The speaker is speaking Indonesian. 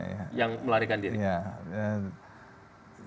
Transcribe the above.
yang melarikan diri